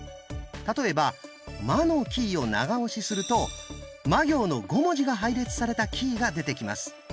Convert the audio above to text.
例えば「ま」のキーを長押しすると「ま」行の５文字が配列されたキーが出てきます。